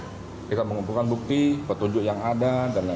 ketika mengumpulkan bukti petunjuk yang ada dan lain lain